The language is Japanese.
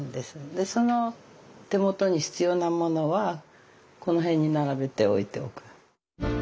でその手元に必要なものはこの辺に並べて置いておく。